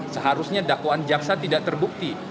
seharusnya dakwaan jaksa tidak terbukti